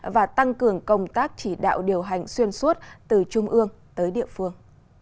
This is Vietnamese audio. và tăng cường công tác chỉ đạo điều hành xuyên suốt từ trung ương tới địa phương